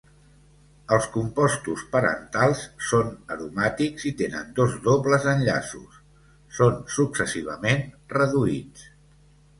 Els compostos parentals són aromàtics i tenen dos dobles enllaços; són successivament reduïts.